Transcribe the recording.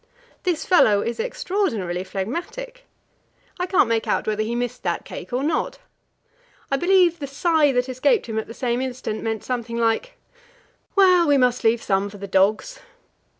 This fellow is extraordinarily phlegmatic; I can't make out whether he missed that cake or not. I believe the sigh that escaped him at the same instant meant something like: "Well, we must leave some for the dogs."